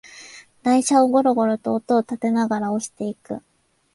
台車をゴロゴロと音をたてながら押していく